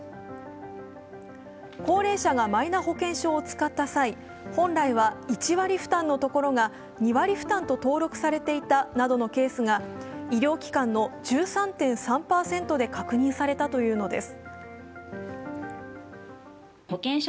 高齢者がマイナ保険証を使った際、本来は１割負担のところが２割負担と登録されていたなどのケースが医療機関の１３．３％で確認されたというのです。